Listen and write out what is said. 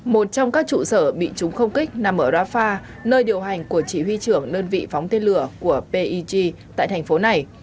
một trong các trụ sở bị chúng không kích nằm ở rafah nơi điều hành của chỉ huy trưởng đơn vị phóng tên lửa của pig tại thành phố này